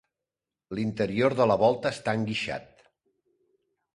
L'interior de la volta està enguixat.